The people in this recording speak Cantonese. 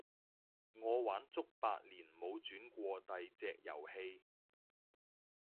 我玩足八年冇轉過第隻遊戲